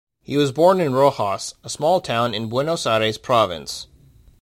He was born in Rojas, a small town in Buenos Aires Province.